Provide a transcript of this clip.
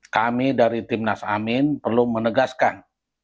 kami dari tim nas amin perlu menegaskan